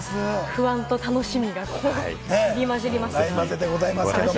不安と楽しみが入り交じりますが、楽しみです。